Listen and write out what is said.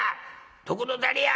『どこの誰や？』。